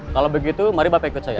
kalau begitu mari bapak ikut saya